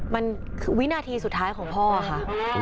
มันคือวินาทีสุดท้ายของพ่อค่ะ